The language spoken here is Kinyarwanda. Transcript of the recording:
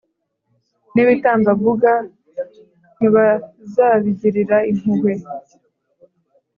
n’ibitambambuga ntibazabigirira impuhwe.